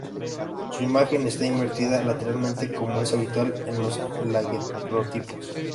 Su imagen está invertida lateralmente, como es habitual en los daguerrotipos.